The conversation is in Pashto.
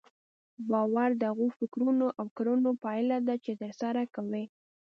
باور د هغو فکرونو او کړنو پايله ده چې ترسره کوئ.